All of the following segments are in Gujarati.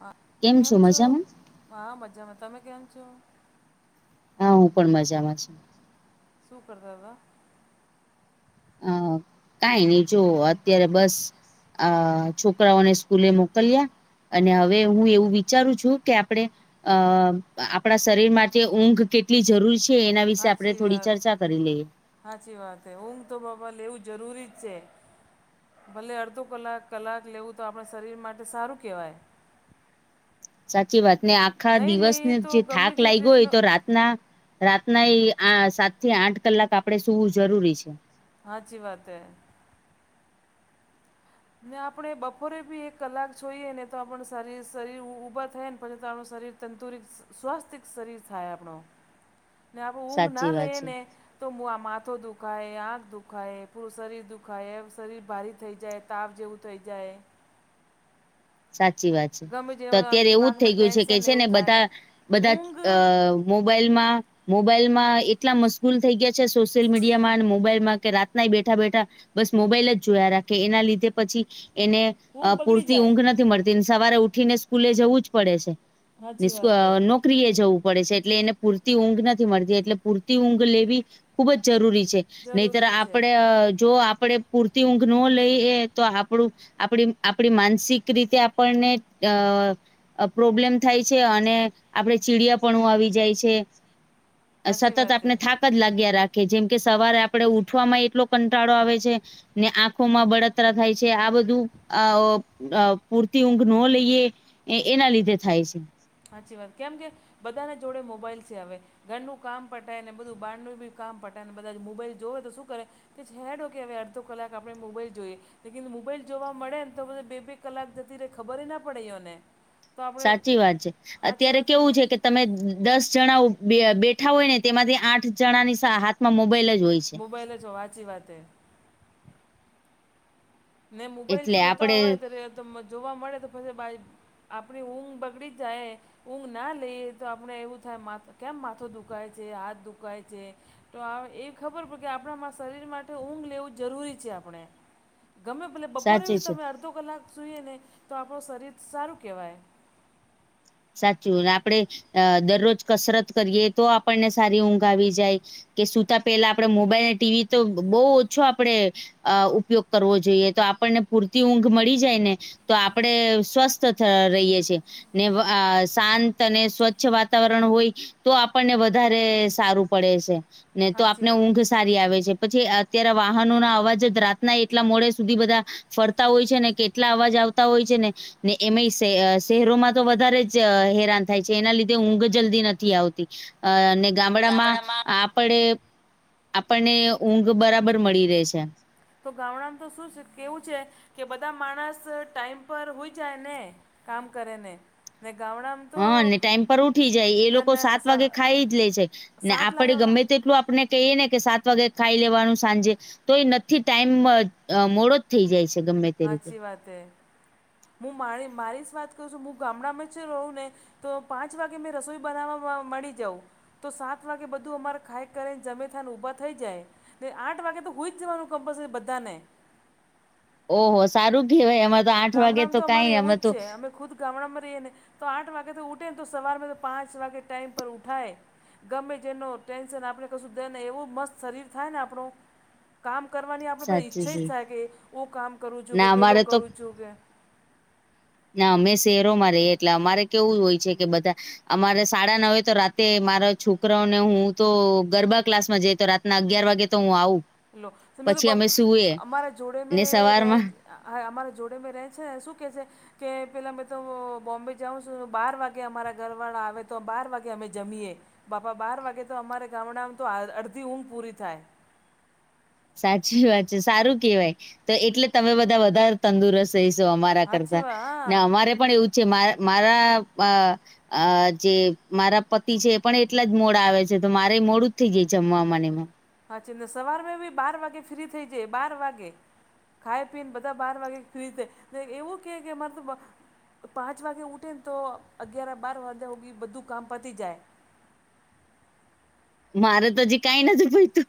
હા કેમ છો? હા મજામાં તમે કેમ છો? હા હું પણ મજામાં છ. શું કરતા હતા? અ કઈ નહી જો અત્યારે બસ આ છોકરાઓને સ્કૂલે મોકલ્યા અને હવે હું એવું વિચારું છું કે આપણે અ આપણા શરીર માટે ઊંઘ કેટલી જરૂરી છે. છે એના વિશે આપડે હાચી થોડી વાત. ચર્ચા કરી લઈએ. હાચી વાત હ ઊંઘ તો બાપા લેવું જરૂરી જ છે. ભલે અડધો કલાક કલાક લેવું તો આપણા શરીર માટે સારું કહેવાય. સાચી વાત ને આખા નહીં લઈએ દિવસને તો જે ગમે થાક તે લાગ્યો હોય તેટલો તો રા ના રાતના એ આ સાત થી આઠ કલાક આપણે સુવું જરૂરી છે. હાચી વાત હ. ને આપણે બપોરે બી એક કલાક જોઈએ ને તો આપણ સારી શરીર ઊભા થાય ને પછી તો આપણું શરીર. તંતુરિત સ્વાસ્થિક શરીર થાય આપણો [unintelligible] ઊઘ સાચી ના લે વાત છે. ને. તો માથો દુખાય આંખ દુખાય પૂરું શરીર દુખાય શરીર ભારી થઈ જાય. તાવ જેવું થઈ જાય. સાચી વાત છે ગમે જે તો આમ અત્યારે એવું જ દિમાગમાં થઈ ગયું છે કે ટેન્શન છે ને એવું થાય બધા બધા ઊંઘ અ મોબાઈલમાં મોબાઈલમાં એટલા મશગૂલ થઈ ગયા. છે સોશિયલ મીડિયામાં અને મોબાઈલમાં કે રાતે બેઠા બેઠા બસ મોબાઈલ જ જોયા રાખે એના લીધે પછી એને ઊંઘ અ બગડી પૂરતી જાય ઊંઘ નથી મળતી સવારે ઉઠી ને સ્કૂલે જવું જ પડે છે. [unintelligible] સાચી વાત હે એ જવું પડે છે એટલે એને પૂરતી ઊંઘ નથી મળતી એટલે પૂરતી ઊંઘ લેવી ખુબ જ જરૂરી છે નહીતર જરૂરી છે આપણે જો આપણે પૂરતી ઊંઘ ન લઈ એ તો આપણું આપડી આપડી માનસિક રીતે આપણને પ્રોબ્લેમ થાય છે અને આપણે ચીડિયા આવી જાય છે સાચી સતત વાત આપને હે થાક જ લાગ્યા રાખે જેમ કે સવારે આપડે ઉઠવામાં એટલો કંટાળો આવે છે ને આંખોમાં બળ થાય છે આ બધું અ પૂરતી ઊંઘ ન લઈએ એના લીધે થાય છે. સાચી વાત કેમ કે બધાને જોડે મોબાઈલ છે હવે ઘરનું કામ પટાય ને બધું બહારનું બી કામ પટાય ને બધા મોબાઈલ જોવે તો શું કરે કે છેેડો કે હવે અડધો કલાક આપણે મોબાઈલ જોઈએ. લ મોબાઈલ જોવા મળે ને તો બધ બે બે કલાક જતી ર ખબર ના પડીને સાચી વાત છે અત્યારે વાત જ કેવું ને છે કે તમે દસ જણા બેઠા હોય ને તેમાંથી આઠ જણાની હાથમાં મોબાઈલ જ હોય છે મોબાઈલ છ હાચી વાત હે ને મોબાઈલ એટલે જોતા આપડે હોય તો જોવા મળે તો પછી બા આપણી ઊંઘ બગડી જાય ઊંઘ ના લઈએ તો આપણે એવું થાય કેમ માથું દુખાય છે? હાથ દુખાય છે? તો એવી ખબર પડે કે આપણા શરીર માટે ઊંઘ લેવું જરૂરી છે આપણે. ગમે ભલે બપોરે સાચે છે બી તમે અડધો કલાક સૂઈએ ને તો આપણું શરીર સારું કહેવાય. સાચું આપડણે દરરોજ કસરત કરીએ તો આપણને સારી ઊંઘ આવી જાય. કે સુુંતા પેલા આપડે મોબાઈલને ટીવી તો બવ ઓછો આપડે અ ઉપયોગ કરવો જોઈએ તો આપણને પૂરતી ઊંઘ મળી જાય ને તો આપણેે સ્વસ્થ રહીએ છે ને અ શાંત અને સ્વચ્છ વાતાવરણ હોય. તો આપણને વધારે સારું પડે છે, ને તો સાચી આપને ઊંઘ જ વાત સારી આવે છે, પછી અત્યારે વાહનોના અવાજ જ રાતના એટલા મોડે સુધી બધા ફરતા હોય છે ને, કેટલા અવાજ આવતા હોય છે ને! ને એમાંય સેઅ, સેહરોમાં તો વધારે જ હેરાન થાય છે, એના લીધે ઊંઘ જલ્દી નથી આવતી, અને ગામડામાં આપડે, આપણને ઊંઘ બરાબર મળી રહે છે. તો ગામડામ તો સુ છે, કેવુ છે કે બધા માણસ ટાઈમ પર હુઈ જાય ને કામ કરે ને! ને ગામડામ હં ને ટાઈમ પર ઉઠી જાય, એ લોકો સાત હસા વાગે ખાઈ જ લે છે. ને સાત આપડે લાખ ગમે તે એટલું આપને કઇએ ને કે સાત વાગે ખાઈ લેવાણું સાંજે, તો એ નથી ટાઈમ, મોડો થઈ જાય છે ગમે તે રીતે. હમ મું માડી મારી ઝ વાત કરું છું, મું ગામડામાં જે રહું ને તો પાંચ વાગે મેં રસોઈ બનાવવા મડી જઉં. તો સાત વાગે બધું અમારે ખાઈ કરીને, જમીથઇને ઊભા થઈ જાય. ને આઠ વાગે તો હુઈ જ જવાનું કમ્પલસરી બધાને! ઓહો સારું કેવાય એમારે ગામડામ તો અમારે એવું જ છે, અમે ખુદ ગામડાંમાં રઈયે ને તો આઠ વાગે તો ઉઠે ને, તો સવાર તો પાંચ વાગે ટાઈમ પર ઉઠાય. ગમે તેનો ટેનસન આપણે કશું દે ને, એવુ મસ્ત શરીર થાય ને આપણું! કામ કરવાની આપણે બધા સાચી ઈચ્છા એજ છે થાય કે હું કામ કરું છું ના કે પેલો અમારે તો કરું છું કે ના, અમે સેહેરોમાં રહીએ, એટલે અમારે કેવું હોય છે કે બધા અમારે સાડા નવે તો રાતે મારા છોકરાઓને હું તો, ગરબા ક્લાસમાં જઈ તો રાત ન અગિયાર વાગે તો હું આવું, લો મે તો પછી બમ, અમે સુએ અમારા જોડે મે ને રેય સવારમાં હા, અમારા જોડે મે રહે છે એ સુ કહે છે? કે પેલા મેમ તો બોમ્બે જાઉં છું, બાર વાગે અમારા ઘરવાળા આવે, તો બાર વાગે અમે જમીએ. બાપા, બાર વાગે તો, અમારે ગામડામ તો અડધી ઊંઘ પૂરી થાય. સાચી વાત છે, સારું કેવાય, તો એટલે તમે બધા વધારે તંદુરસ્ત રહીસો અમારા હાચી કરતા, વાત હા ને અમારે પણ એવું છે માર, મારા અ અ જે મારા પતિ છે એ પણ એટલા જ મોડા આવે છે, તો મારેય મોડું જ થઈ જાય જમવામાં ને એમાં. હા છે ને સવાર મે બી બાર વાગે ફ્રી થઇ જાઇએ, બાર વાગે. ખાય પીને બધા બાર વાગે સુઈ જાય, તે એવું કે કે મારે તો પાંચ વાગે ઉઠેન તો અગિયાર બાર વાગ્યા હુધી બધું કામ પતી જાય. મારે તો હજી કાંઈ નથી પયતુ!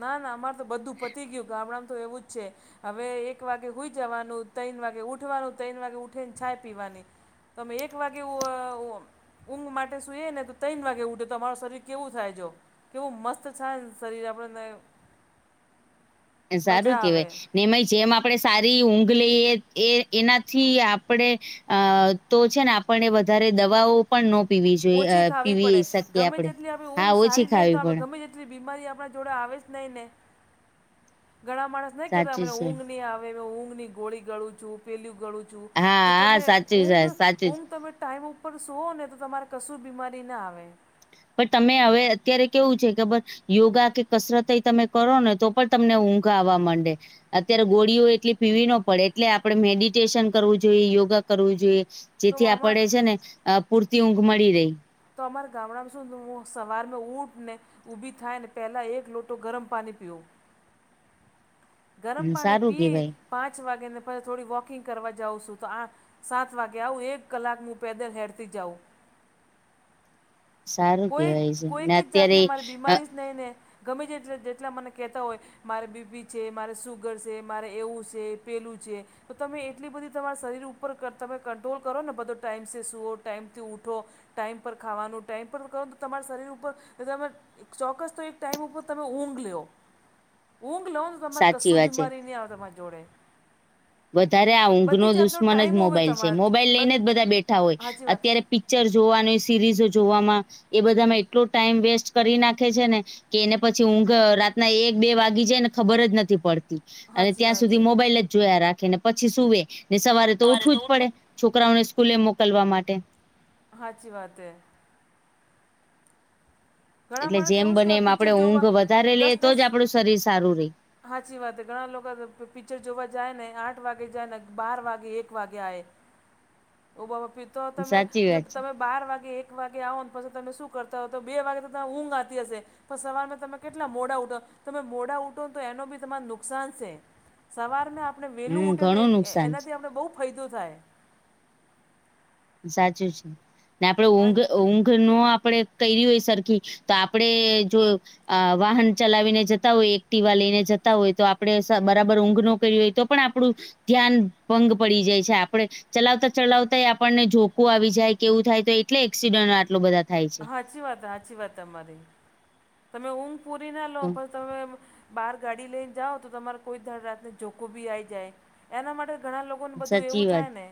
ના, ના અમાર તો બધું પતી ગ્યું, ગામડામ તો એવું જ છે. હવે એક વાગે હુઈ જવાનું, તઇન વાગે ઉઠવાનું, તૈણ વાગે ઉઠીન છાય પીવાની તમે એક વાગે હુ અ હુઓ? ઊંઘ માટે સૂઈએને તો તૈન વાગે ઉઠ, તો અમારું શરીર કેવું થાય જોવો! કેવું મસ્ત છાય ને શરીર આપણને! એ સારું મજા આવે કેવાય! નેમાંય જેમ આપણે સારી ઊંઘ લઈએ, એ એનાથી આપણે અ તો છે ને, આપણને વધારે દવાઓ પણ નો પીવી જોઈએ, અ ઓછી ખાવી પીવી પડે સકીએ ગમે આપણે. હા, ઓછી ખાવી પડે. કઇ બીમારી આપ જોડે આવે જ નહી ને, ઘણા માણસ નહી કેતા સાચું મને છે ઊંઘ ની આવે, ઊંઘની ગોળી ગળું છું. પેલિયુ ગળું છું, હા તો હા તમે સાચું છે ઊંઘ, સાચું જ ઊંઘ તમે ટાઈમ ઉપર સોઓ ને તો તમારે કસુ બીમારી ન આવે. પણ, તમે હવે અત્યારે કેવું છે ખબર? યોગા કે કસરતેય તમે કરો ને તો પણ તમને ઊંઘ આવવા માંડે. અત્યારે ગોળીઓ એટલી પીવી ન પડે એટલે આપણેે મેડિટેશન કરવું જોઈએ યોગા કરવું જોઈએ તો જેથી આમાં આપડે છે ને પૂરતી ઊંઘ મળી રહી તો અમારા ગામડામાં શું હું સવાર મે ઊઠ ને ઊભી થાય ને પહેલા એક લોટો ગરમ પાણી પીઓ ગરમ હમ, પાણી સારું પી કેવાય પાંચ વાગે ને પછી થોડી વોકિંગ કરવા જાઉં છું તો આ સાત વાગે આવું એક કલાક હું પેદલ હેરતી જાઉં સારું કોઈ કેવાય છે ને કોઈક અત્યારે જાતને મારી અ બીમારી જ નહી ને ગમે જેટલા મને કહેતા હોય મારે બી પી છે મારે સુગર છે મારે એવું છે પેલું છે. તો તમે એટલી બધી તમારા શરીર ઉપર તમે કંટ્રોલ કરો ને બધો ટાઈમસે સૂઓ ટાઈમથી ઊઠો ટાઈમ પર ખાવાનું ટાઈમ પર કો તમારા શરીર ઉપર તમે ચોક્કસ તો એક ટાઈમ ઉપર તમે ઊંઘ લેવ ઊંઘ લોઉ ને તમારે સાચી કશું વાત છે બીમારી નહીં આવે તમારા જોડે વધારે આ ઊંઘ નો બધી જાતનો દુશ્મન જ ટાઈમ હોવે મોબાઈલ છે તમારે મોબાઈલ બ લઈને જ બધા બેઠા હોય સાચી વાત અત્યારે પી ક્ચર જોવાનુંય સિરીઝો જોવામાં એ બધામાં એટલો ટાઈમ વેસ્ટ કરી નાખે છે ને કે એને પછી ઊંઘ રાતના એક બે વાગી જાય ને ખબર જ નથી પડત અને સાચી ત્યાં વાત સુધી હે મોબાઈલ જ જોયા રાખે ને પછી સુવે ને સવારે તો ઉઠવું જ પડે છોકરાઓને સ્કૂલે મોકલવા માટે હા અચછી વાત હૈ ઘણા એટલે માણસ જેમ એવું જ બને કે એમ પિક્ચર આપડે જોવા ઊંઘ વધારે લઈએ તો જ આપડું શરીર સારું રેય હાચી વાત ઘણા લોકો પિક્ચર જોવા જાય ને આઠ વાગે જાય ને બાર વાગે એક વાગે આવે હ ઉબ બાપી તો તમે જ છે તમે બાર વાગે એક વાગે આવવાને પછી તમે શું કરતા હોો બે વાગે તો ત ઊંઘ આવતી હશે પણ સવારમાં તમે કેટલા મોડા ઉઠા તમે મોડા ઉઠ એ બી નુકસાન છે સવાર ને આપણે વેલું હમ ઉઠ ઘણું નુકસાન છે એનાથી આપણે બવ ફાયદો થાય સાચું છે ને આપડે હા ઊંઘ ઊંઘ નો આપડે કર્યું હોય સરખી તો આપડે જોય અ વાહન ચલાવીને જતા હોય એકટીીવા લઈને જતા હોય તો આપડણે બરાબર ઊંઘ ન કર્યું હોય તો. પણ આપણું ધ્યાન ભંગ પડી જાય છે આપડણે ચલાવતા ચલાવતા એ આપ આપણને જોકું આવી જાય કે એવું થાય તો એટલે એક્સિડન્ટ આટલો બધા થાય છ. હાચી વાત હાચી વાત તમારી તમે ઊંઘ પૂરી ના લો પણ તમે બહાર ગાડી લઈને જાઓ તો તમારે કોઈ રાતને જોખું બી આવી જાય એના માટે ઘણા લોકો કોને તો બધું સાચી એવું વાત થાય ને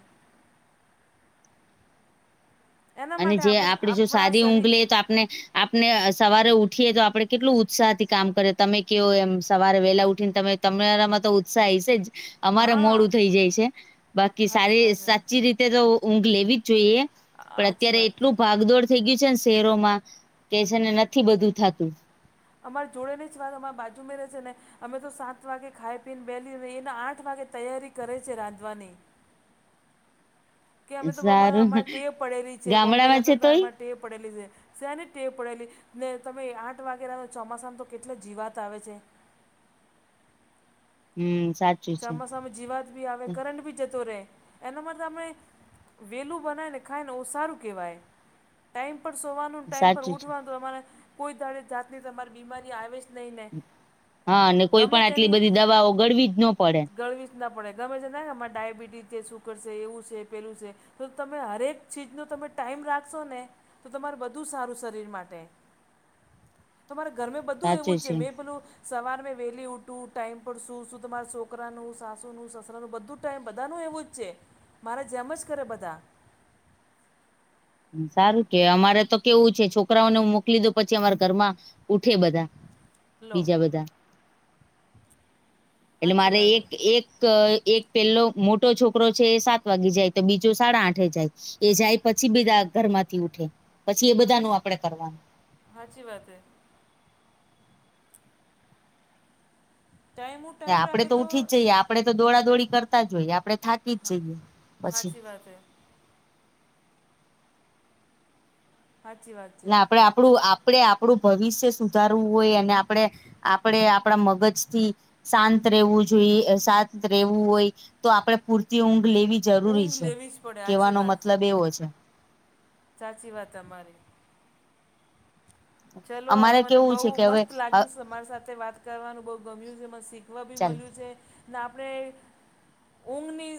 એના અને માટે જે આપણે આપણેે જો આપણા સારી ઊંઘ શરીર લ તો આપણે આપણે સવારે ઉઠીએ તો આપણે કેટલું ઉત્સાહથી કામ કરે તમે કેવ એમ સવારે વેલા ઉઠીને તમે તમેરામાં તો ઉત્સાહ હાસ છે જ. અમારે હા મોડું થઈ જાય છે બાકી સાચી સારી વાત સાચી રીતે તો ઊંઘ લેવી જ જોઈએ પણ સાચી અત્યારે વાત એટલું ભાગદોડ થઈ ગયું છે ને શહેરોમાં કે છે ને નથી બધું થતું અમાર જોડે ની જ વાત અમારા બાજુ મે રહે છે ને. અમે તો સાત વાગે ખાઈ પીને બેલી નહી એને આઠ વાગે તૈયારી કરે છે રાંધવાની કે અમે તોરે સારું અમારે ટે પડેલી છે બોમ્બે ગામડામાં રહેતા છે ને તોય અરે ટે પડેલી છે. ત્યાંની ટેવ પડેલી ને તમે આઠ વાગેલા ચોમાસામાં તો કેટલા જીવાત આવે છે. હમ્મ સાચ ચોમાસામાં જીવાત બી આવે કરંટ બી જતો રહે એના માટેમે વેલું બનાય ને ખાય ને એુ સારું કહેવાય ટાઈમ પર સોવાનું ને ટાઈમ પર સાચું છે ઉઠવાનું તમારે કોઈ દાડે જાતની તમારી બીમારી આવેજ હા અને કોઈ પણ આટલી બધી દવાઓ ગળવી જ ન પડે ગણવી જ ના પડે ગમે છે ને અરે ડાયાબિટીસ છે શુકર છે એવું છે પેલું છે. તો તમે હરેક ચીજનો તમે ટાઈમ રાખશો ને. તો તમારું બધું સારું શરીર માટે તમારે ઘર મે બધું એવું છે, મેં પેલું સવારમે વેલી ઉઠું ટાઈમ પર શું શુ તમારા શોકરાનું, સાસુનું, સસરાનું, બધું ટાઈમ બધા નુ એવુંજ છે. મારા જેમજ કરે બધા. સારું કે, અમારે તો કેવું છે છોકરાઓને હું મોકલી દઉ પછી અમારા ઘરમાં ઉઠે બધા. હલો બીજા બધા એટલે મારે એક એક ક એક પેલો મોટો છોકરો છે એ સાત વાગે જાય, તો બીજું સાડા આઠે જાય. એ જાય પછી બીધા ઘર માંથી ઉઠે, પછી એ બધા નું આપડે કરવાનું. હાચી વાત હે ટાઈમુ ને આપડે તો ઉઠીજ જઈએ, આપડેતો દોડાદોડી કરતાજ હોઈએ, આપડે થાકીજ જઈએ, પછી [unintelligible] સાચી વાત છે ના આપડે આપડું આપ આપડે આપડુ ભવિષ્ય સુધારવું હોય, અને આપડે આપડે આપડા મગજથી શાંત રેવું જોઈએ, એ શાંત રેવું હોય, તો આપડે પૂરતી ઊંઘ લેવી જરૂરી ઊંઘ છે, લેવી જ પડે સાચી કેવાનો વાત મતલબ એવો છે. સાચી વાત તમારી ચલો હવે અમારે મને કેવું બઉુ છે કે હવે મસ્ત લાગ્યું છે સમાર સાથે વાત કરવાનું બહુ ગમ્યું છે, એમાં શીખવા બી ચાલ મળ્યું છે, ને આપણે ઊંઘની.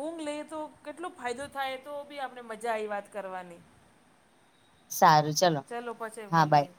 ઊંઘ લઈએ તો કેટલો ફાયદો થાય તો બી આપણે મજા આઈ વાત કરવાની. સારું ચાલો. ચલો પછી મલીએ.